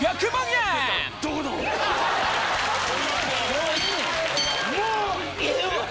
もういいねん。